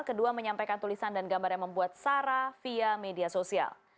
kedua menyampaikan tulisan dan gambar yang membuat sara via media sosial